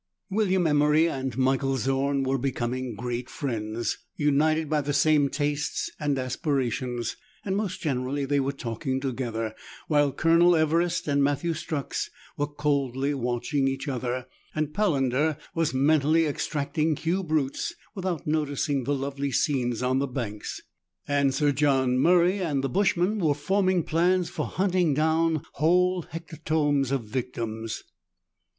William Emery and Michael Zorn were becoming great friends, united by the same tastes and aspirations ; and most generally they were talking together, while Colonel Everest and Matthew Strux were coldly watching each other, and Palander was mentally extracting cube roots without noticing the lovely scenes on the banks, and Sir John Murray and the bushman were forming plans for hunting down whole hecatombs of victims.